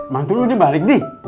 mantul lu nek balik nek